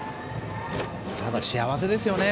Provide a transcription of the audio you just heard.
ただ、幸せですね。